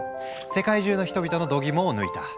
世界中の人々のどぎもを抜いた。